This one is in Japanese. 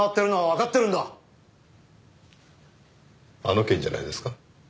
あの件じゃないですか？